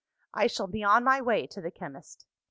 I shall be on my way to the chemist.